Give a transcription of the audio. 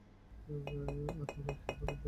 আজ আমরা একটি নতুন গেম খেলতে যাচ্ছি।